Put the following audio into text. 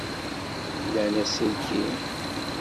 Llan aselkim?